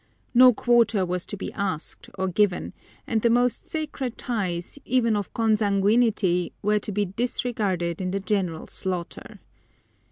No quarter was to be asked or given, and the most sacred ties, even of consanguinity, were to be disregarded in the general slaughter.